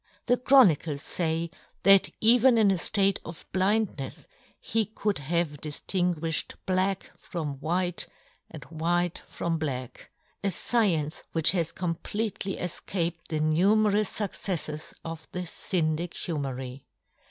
The chronicles fay that even in a ftate of blindnefs he could have diftinguifhed black from white, and white from black — a fcience which has completely efcaped the nume 5 34 yohn Gutenberg. rous fucceffors of the Syndic Humery